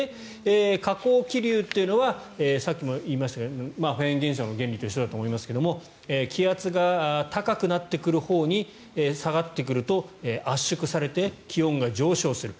下降気流というのはさっきも言いましたけどフェーン現象の原理と一緒だと思いますが気圧が高くなってくるほうに下がってくると圧縮されて気温が上昇する。